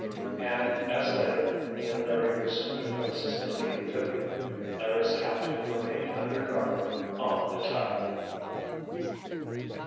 And, as later, he and Larry resumed their places in the amphibian, Larry's captive remained under guard on the tug.